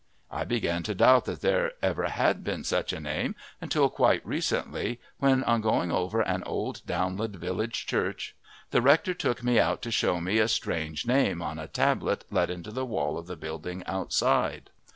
I began to doubt that there ever had been such a name until quite recently when, on going over an old downland village church, the rector took me out to show me "a strange name" on a tablet let into the wall of the building outside.